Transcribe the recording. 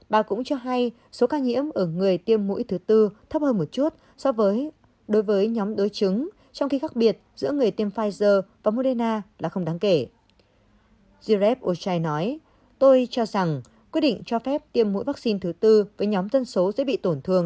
bà cũng cho hay số ca nhiễm ở người tiêm mũi thứ tư có tăng nhưng chưa đủ để chống lại khả năng lây nhiễm của omicron